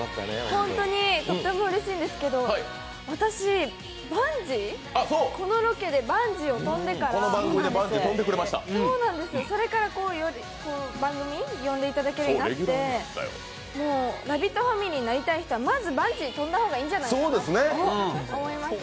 ホントにとってもうれしいんですけど、私、このロケでバンジーを跳んでから、それから番組に呼んでいただけるようになってラヴィットファミリーになりたい人はまずバンジー飛んだ方がいいんじゃないかなと思います。